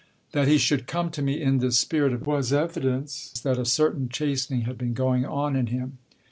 That he should come to me in this spirit was evidence that a certain chastening had been going on in him.